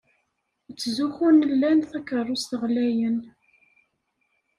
Ttzuxxun lan takeṛṛust ɣlayen.